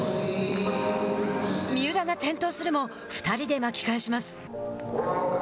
三浦が転倒するも２人で巻き返します。